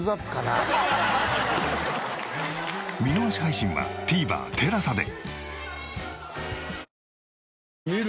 見逃し配信はＴＶｅｒＴＥＬＡＳＡで。